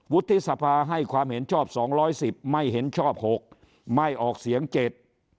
วุฒิษภาให้ความเห็นชอบ๒๑๐คะแนนไม่เห็นชอบ๖คะแนนไม่ออกเสียง๗คะแนน